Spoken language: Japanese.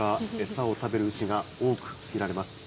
餌を食べる牛が多く見られます。